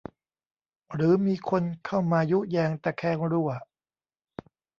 หรือมีคนเข้ามายุแยงตะแคงรั่ว